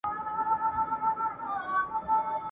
زه لکه زېری نا خبره دي پر خوا راځمه !.